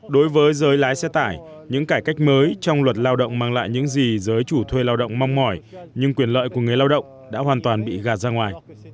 đối với giới lái xe tải những cải cách mới trong luật lao động mang lại những gì giới chủ thuê lao động mong mỏi nhưng quyền lợi của người lao động đã hoàn toàn bị gạt ra ngoài